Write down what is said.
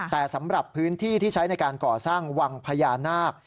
แต่สำหรับพื้นที่ที่ใช้ในการก่อสร้างวังพญานาค